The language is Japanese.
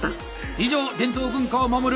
以上伝統文化を守る